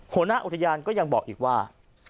หัวหน้าอุทยานก็ยังบอกอีกว่า